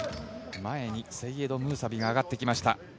前にセイエド・ムーサビが上がってきました。